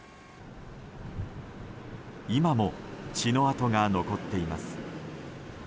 今も血の痕が残っています。